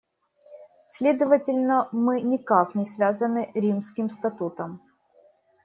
Следовательно, мы никак не связаны Римским статутом.